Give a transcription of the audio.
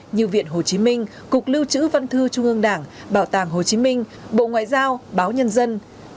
như viện hồ chí minh cục lưu trữ văn thư trung ương đảng bảo tàng hồ chí minh bộ ngoại giao báo nhân dân